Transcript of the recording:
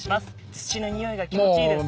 土の匂いが気持ちいいですね。